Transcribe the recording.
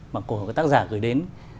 mà của tác giả gửi đến